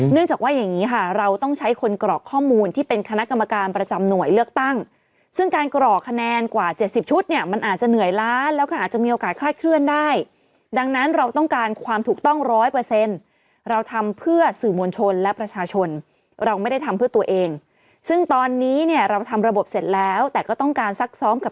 จากว่าอย่างนี้ค่ะเราต้องใช้คนกรอกข้อมูลที่เป็นคณะกรรมการประจำหน่วยเลือกตั้งซึ่งการกรอกคะแนนกว่า๗๐ชุดเนี่ยมันอาจจะเหนื่อยล้านแล้วก็อาจจะมีโอกาสคลาดเคลื่อนได้ดังนั้นเราต้องการความถูกต้องร้อยเปอร์เซ็นต์เราทำเพื่อสื่อมวลชนและประชาชนเราไม่ได้ทำเพื่อตัวเองซึ่งตอนนี้เนี่ยเราทำระบบเสร็จแล้วแต่ก็ต้องการซักซ้อมกับ